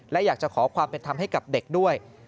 และอยากจะขอความเป็นธรรมให้กับเด็กด้วย